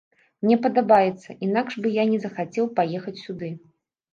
Мне падабаецца, інакш бы я не захацеў паехаць сюды.